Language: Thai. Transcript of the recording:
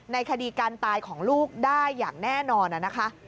คดีการตายของลูกได้อย่างแน่นอนนะคะ